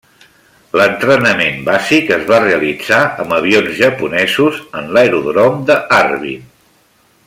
L'entrenament bàsic es va realitzar amb avions japonesos en l'aeròdrom de Harbin.